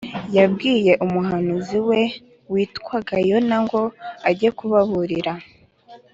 yabwiye umuhanuzi we witwaga Yona ngo ajye kubaburira